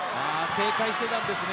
警戒していたんですね。